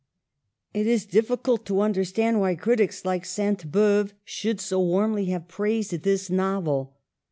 It is difficult to understand why critics like Sainte Beuve should so warmly have praised this novel.